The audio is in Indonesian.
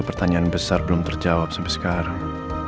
pertanyaan besar belum terjawab sampai sekarang